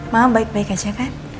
maaf baik baik aja kan